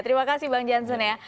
terima kasih bang jansen ya